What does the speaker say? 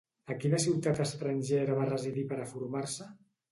A quina ciutat estrangera va residir per a formar-se?